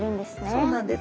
そうなんです。